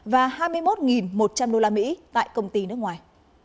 và hai mươi một một trăm linh usd tại công ty nước ngoài